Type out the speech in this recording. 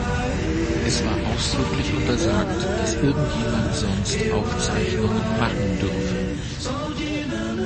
Es war ausdrücklich untersagt, dass irgendjemand sonst Aufzeichnungen machen dürfe.